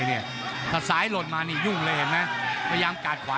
โหโหโหโหโหโหโหโหโหโหโห